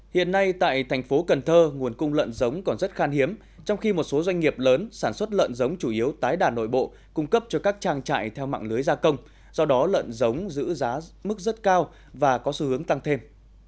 hiện nay tại thành phố cần thơ nguồn cung lợn giống còn rất khan hiếm trong khi một số doanh nghiệp lớn sản xuất lợn giống chủ yếu tái đàn nội bộ cung cấp cho các trang trại theo mạng lưới gia công do đó lợn giống giữ giá mức rất cao và có xu hướng tăng thêm